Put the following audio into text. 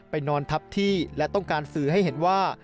นอนทับที่และต้องการสื่อให้เห็นว่า